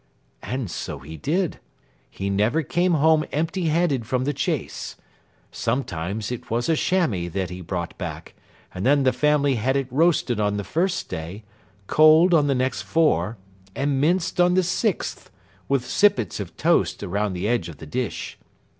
And so he did. He never came home empty handed from the chase. Sometimes it was a chamois that he brought back, and then the family had it roasted on the first day, cold on the next four, and minced on the sixth, with sippets of toast round the edge of the dish.